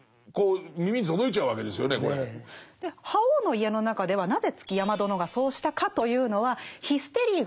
「覇王の家」の中ではなぜ築山殿がそうしたかというのはヒステリーが原因だとか。